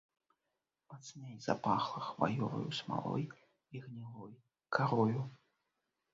Мацней запахла хваёваю смалой і гнілой карою.